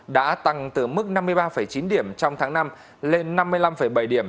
đã tăng từ mức năm mươi ba chín điểm trong tháng năm lên năm mươi năm bảy điểm